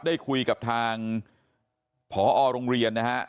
ได้คุยกับทางผอโรงเรียนนะฮะ